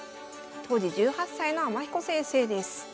当時１８歳の天彦先生です。